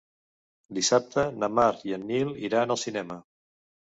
Dissabte na Mar i en Nil iran al cinema.